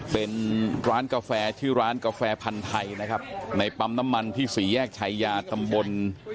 เป็นร้านกาแฟชื่อร้านกาแฟพันธุ์ไทยนะครับในปั๊มน้ำมันที่สี่แยกชายาตำบล